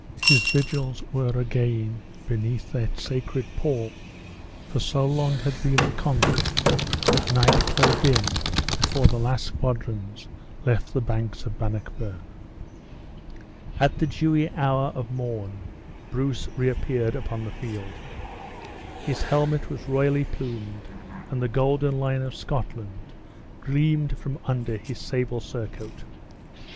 His vigils were again beneath that sacred pall for so long had been the conflict, that night closed in before the last squadrons left the banks of Bannockburn. At the dewy hour of morn Bruce reappeared upon the field. His helmet was royally plumed, and the golden lion of Scotland gleamed from under his sable surcoat.